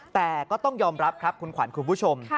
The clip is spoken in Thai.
แต่ก็ต้องยอมรับครับคุณขวัญคุณผู้ชม